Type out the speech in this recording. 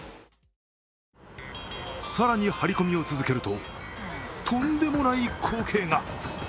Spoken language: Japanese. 更にハリコミを続けると、とんでもない光景が。